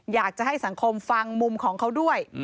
อยากจะให้สังคมฟังมุมของเขาด้วย